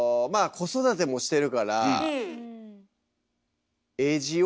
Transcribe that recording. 子育てもしてるからＡＧＯ？